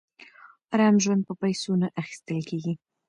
ارام ژوند په پیسو نه اخیستل کېږي.